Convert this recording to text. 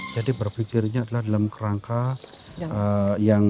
jadi berpikirnya adalah dalam kerangka yang